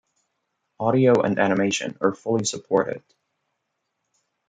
Audio and animation are fully supported.